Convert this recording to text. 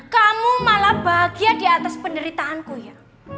kamu malah bahagia di atas penderitaanku ya